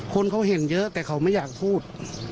คนเขาเห็นเยอะแต่เขาไม่อยากพูด